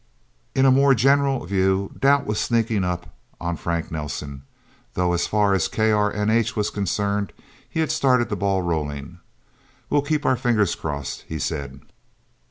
In a more general view, doubts were sneaking up on Frank Nelsen, though as far as KRNH was concerned, he had started the ball rolling. "We'll keep our fingers crossed," he said.